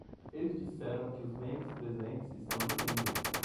Eles disseram que os membros presentes estão dormindo.